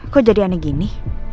kok jadi aneh gini